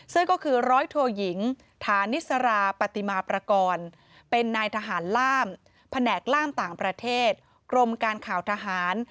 ซึ่งก็คือร้อยโทยิงฐานิสราปฏิมาประกอบเป็นนายทหารล่ามแผนกล้ามต่างประเทศกรมการข่าวทหาร